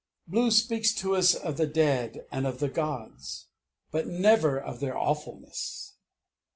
Blue speaks to us of the dead and of the gods, but never of their awfulness.